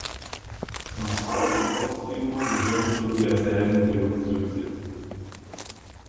Macau und Osttimor gehörten zu derselben Diözese.